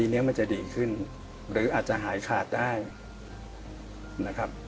นี้มันจะดีขึ้นหรืออาจจะหายขาดได้นะครับ